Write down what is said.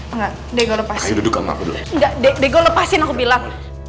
enggak dego lepas duduk sama aku dulu enggak dego lepasin aku bilang